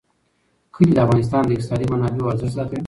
کلي د افغانستان د اقتصادي منابعو ارزښت زیاتوي.